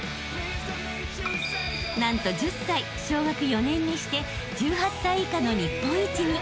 ［何と１０歳小学４年にして１８歳以下の日本一に！］